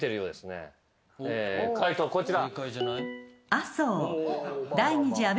解答こちら。